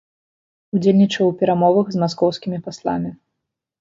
Удзельнічаў у перамовах з маскоўскімі пасламі.